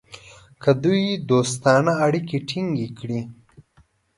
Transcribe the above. که دوی دوستانه اړیکې ټینګ کړي.